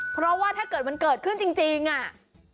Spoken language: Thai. เพราะว่าถ้าเกิดมันเกิดขึ้นจริงอ่ะ